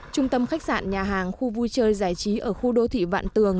trung tâm khách sạn nhà hàng khu vui chơi giải trí ở khu đô thị vạn tường